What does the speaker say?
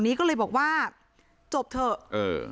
ไม่อยากให้มองแบบนั้นจบดราม่าสักทีได้ไหม